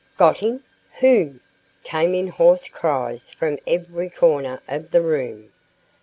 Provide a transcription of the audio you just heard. "Got him! Whom?" came in hoarse cries from every corner of the room.